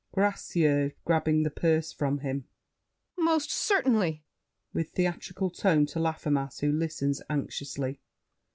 GRACIEUX (grabbing the purse from him). Most certainly! [With theatrical tone to Laffemas, who listens anxiously.